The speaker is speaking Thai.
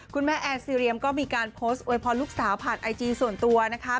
คุณแม่แอนซีเรียมก็มีการโพสต์อวยพรลูกสาวผ่านไอจีส่วนตัวนะคะ